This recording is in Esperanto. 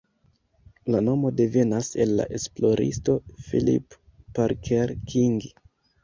La nomo devenas el la esploristo Phillip Parker King.